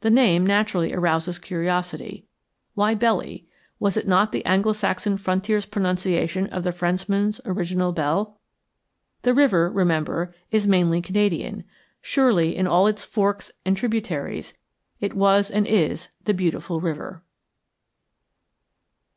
The name naturally arouses curiosity. Why Belly? Was it not the Anglo Saxon frontier's pronunciation of the Frenchman's original Belle? The river, remember, is mainly Canadian. Surely in all its forks and tributaries it was and is the Beautiful River.